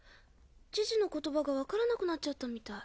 ジジの言葉が分からなくなっちゃったみたい。